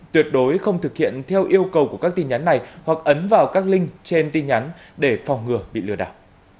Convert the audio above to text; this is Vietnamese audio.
tuyệt đối không thực hiện theo yêu cầu của các tin nhắn này hoặc ấn vào các link trên tin nhắn để phòng ngừa bị lừa đảo